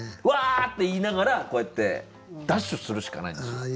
「わ」って言いながらこうやってダッシュするしかないんですよ。